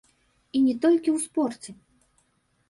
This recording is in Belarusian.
І не толькі ў спорце.